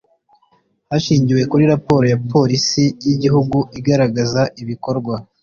Hashingiwe kuri raporo ya Polisi y Igihugu igaragaza ibikorwa